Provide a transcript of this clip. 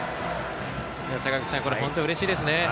坂口さん、本当にうれしいですね。